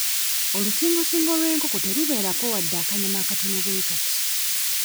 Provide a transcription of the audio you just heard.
Olusingosingo lw'enkoko tekubeerako wadde akanyama akatono bwe kati.